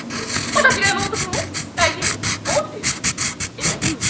えっうん。